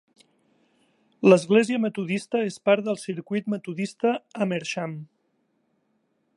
L'església metodista es part del circuit metodista Amersham.